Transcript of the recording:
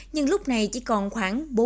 nhưng lúc này chỉ còn khoảng